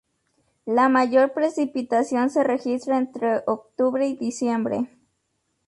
La mayor precipitación se registra entre octubre y diciembre.